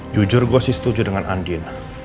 jujur gue setuju dengan andien